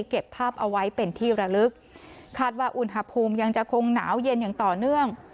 เก็บภาพเอาไว้เป็นที่ระลึกคาดว่าอุณหภูมิยังจะคงหนาวเย็นอย่างต่อเนื่อง